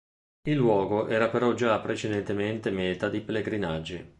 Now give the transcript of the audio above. Il luogo era però gia precedentemente meta di pellegrinaggi.